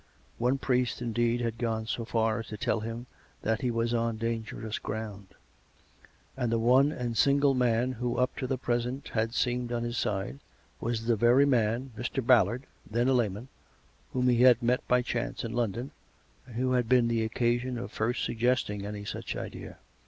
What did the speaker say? One priest, indeed, had gone so far as to tell him that he was on dan gerous ground ... and the one and single man who up to the present had seemed on his side, was the very man, Mr. Ballard, then a layman, whom he had met by chance in London, and who had been the occasion of first suggest ing any such idea.